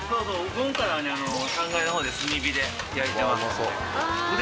午後からは３階のほうで炭火で焼いてますんで。